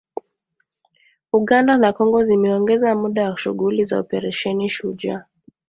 Uganda na Kongo zimeongeza muda wa shughuli za Operesheni Shujaa